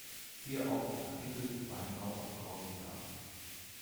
Siehe auch den Artikel Weinbau auf Korsika.